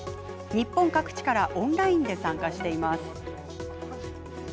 日本各地からオンラインで参加しています。